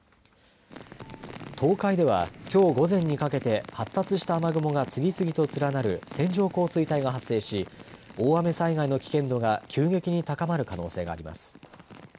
東海では、きょう午前にかけて発達した雨雲が次々と連なる線状降水帯が発生し大雨災害の危険度が急激に高まる可能性があります。